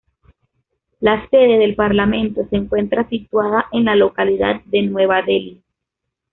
La sede del parlamento se encuentra situada en la localidad de Nueva Delhi.